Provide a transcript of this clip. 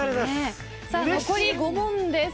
残り５問です。